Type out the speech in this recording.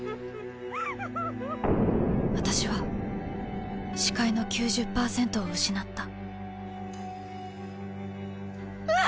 私は視界の９０％を失ったうわ！